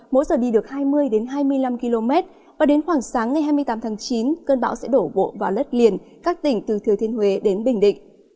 mỗi giờ đi được hai mươi hai mươi năm km và đến khoảng sáng ngày hai mươi tám tháng chín cơn bão sẽ đổ bộ vào đất liền các tỉnh từ thừa thiên huế đến bình định